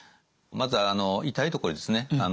まず痛いところにですね